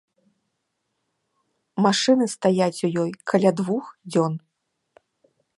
Машыны стаяць у ёй каля двух дзён.